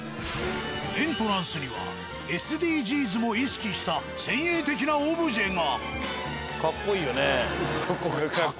エントランスにはＳＤＧｓを意識した先鋭的なオブジェが。